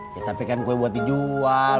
ya tapi kan kue buat dijual